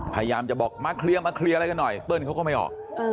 พยายามจะบอกมาเคลียร์มาเคลียร์อะไรกันหน่อยเปิ้ลเขาก็ไม่ออก